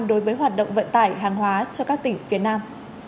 đối với hoạt động vận tải hàng hóa cho các tỉnh phía nam